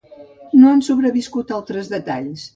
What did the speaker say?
No han sobreviscut altres detalls.